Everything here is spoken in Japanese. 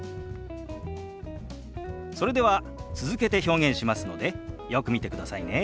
それでは続けて表現しますのでよく見てくださいね。